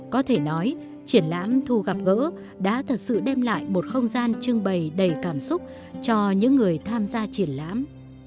có thể nói triển lãm thu gặp gỡ đã thật sự đem lại một không gian trưng bày đầy cảm xúc cho những người tham gia triển lãm